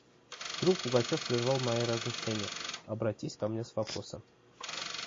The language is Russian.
Вдруг Пугачев прервал мои размышления, обратись ко мне с вопросом: